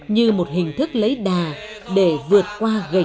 như một hình thức lấy đà để vượt qua gỉnh thác